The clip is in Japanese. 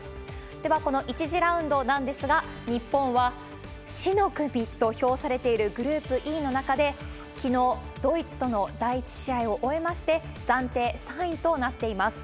では、この１次ラウンドなんですが、日本は死の組と表されているグループＥの中で、きのうドイツとの第１試合を終えまして、暫定３位となっています。